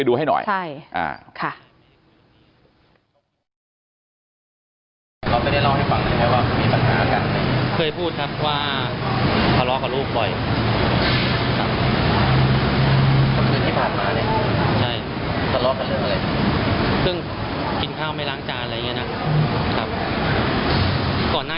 พี่โจฯกลับไปเลยบิกนะ